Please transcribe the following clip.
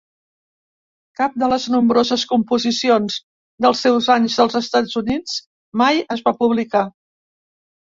Cap de les nombroses composicions dels seus anys dels Estats Units mai es va publicar.